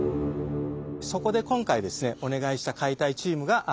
そこで今回ですねお願いした解体チームがこちらの皆さんです。